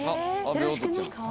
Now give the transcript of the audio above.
よろしくね。